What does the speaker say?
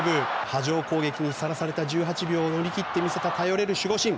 波状攻撃にさらされた１８秒を守った頼れる守護神。